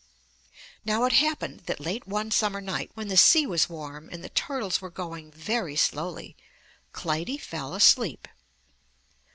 '' Now it happened that late one summer night, when the sea was warm and the turtles were going very slowly, Clytie fell asleep.